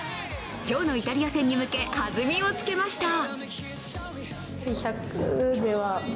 今日のイタリア戦に向け弾みをつけました。